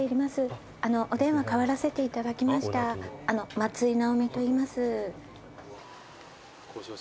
松居直美といいます。